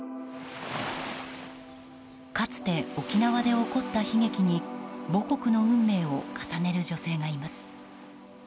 かつて沖縄で起こった悲劇に母国の運命を重ねる女性がいます。